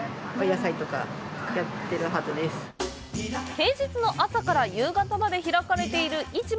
平日の朝から夕方まで開かれている市場。